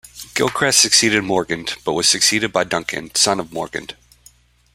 Gilchrist succeeded Morgund, but was succeeded by Duncan, son of Morgund.